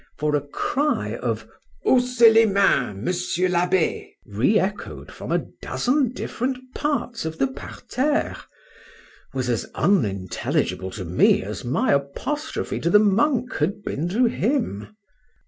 for a cry of "Haussez les mains, Monsieur l'Abbé!" re echoed from a dozen different parts of the parterre, was as unintelligible to me, as my apostrophe to the monk had been to him.